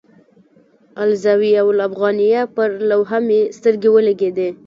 د الزاویة الافغانیه پر لوحه مې سترګې ولګېدې.